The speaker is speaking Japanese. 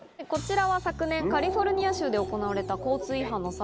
こちらは昨年カリフォルニア州で行われた。